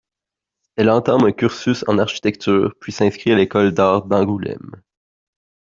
Elle entame un cursus en architecture, puis s'inscrit à l'école d'art d'Angoulême.